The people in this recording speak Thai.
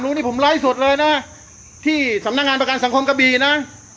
นี่ผมไลฟ์สดเลยนะที่สำนักงานประกันสังคมกะบีนะ